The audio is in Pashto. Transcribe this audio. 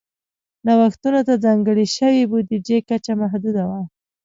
نوښتونو ته ځانګړې شوې بودیجې کچه محدوده وه.